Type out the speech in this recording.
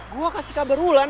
gue kasih kabar ulan